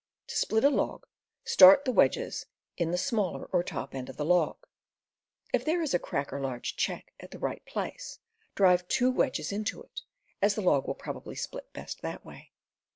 To split a log, start the wedges in the smaller or top end of the log. If there is a crack or large check at the right place, drive two wedges into it, as the log will probably split best that way.